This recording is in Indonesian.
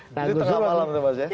itu tengah malam itu ya